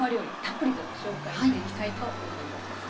たっぷりと紹介していきたいと思います。